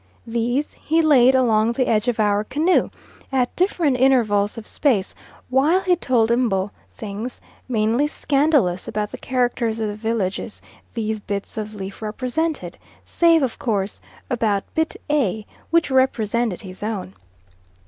These he laid along the edge of our canoe at different intervals of space, while he told M'bo things, mainly scandalous, about the characters of the villages these bits of leaf represented, save of course about bit A, which represented his own.